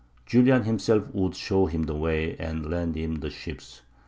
Julian himself would show him the way, and lend him the ships.